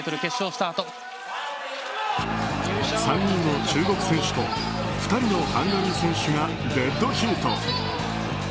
３人の中国選手と２人のハンガリー選手がデッドヒート。